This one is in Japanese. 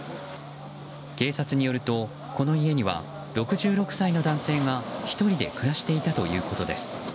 警察によるとこの家には、６６歳の男性が１人で暮らしていたということです。